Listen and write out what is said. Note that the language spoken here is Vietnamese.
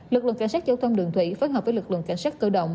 lực lượng cảnh sát giao thông đường thủy phối hợp với lực lượng cảnh sát cơ động